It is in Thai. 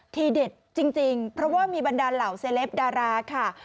ทีเด็ดจริงเพราะว่ามีบรรดาเหล่าเซลปดาราค่ะ